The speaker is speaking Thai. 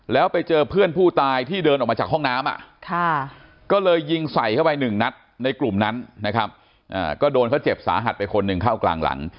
แล้วไปเจอเพื่อนผู้ตายที่เดินออกมาจากห้องน้ำก็เลยยิงใส่เข้าไปหนึ่งนัดในกลุ่มนั้นนะครับก็โดนเขาเจ็บสาหัสไปคนหนึ่งเข้ากลางหลัง